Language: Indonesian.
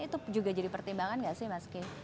itu juga jadi pertimbangan gak sih mas ki